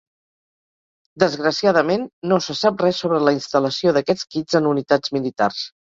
Desgraciadament, no se sap res sobre la instal·lació d'aquests kits en unitats militars.